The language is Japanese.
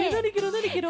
なにケロ？